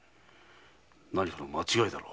何かの間違いだろう。